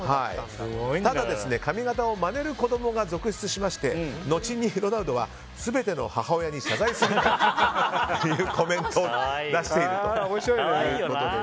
ただ、髪形をまねる子供が続出しまして後にロナウドは全ての母親に謝罪するというコメントを出していると。